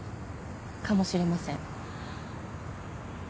かもしれません。